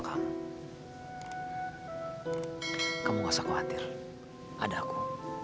kamu gak usah khawatir ada aku